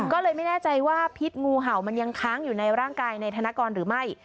ก็เลยไม่แน่ใจว่าพิษงูเห่ามันยังค้างอยู่ในร่างกายในธนกรหรือไม่